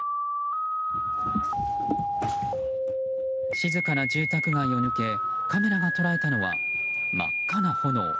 静かな住宅街を抜けカメラが捉えたのは、真っ赤な炎。